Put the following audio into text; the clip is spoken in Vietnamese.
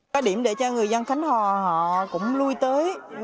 có điểm để cho người dân khánh hòa họ cũng lui tới